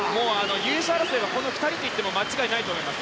優勝争いはこの２人で間違いないと思います。